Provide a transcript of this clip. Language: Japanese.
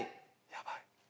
やばい。